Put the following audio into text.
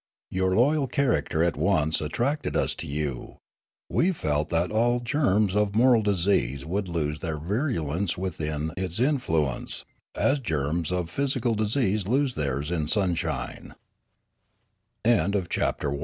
Your loyal character at once attracted us to you; we felt that all germs of moral disease would lose their virulence within its influence, as germs of physi cal disease lose theirs in su